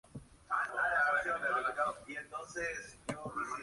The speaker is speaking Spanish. Al igual que muchas de esas otras disciplinas, contaba con categoría masculina y femenina.